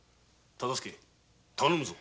忠相頼むぞ。